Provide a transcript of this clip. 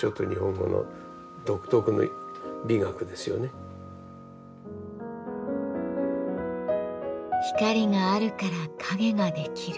そういう日本語の中に光があるから影ができる。